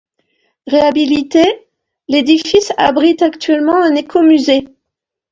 Réhabilité, l'édifice abrite actuellement un écomusée.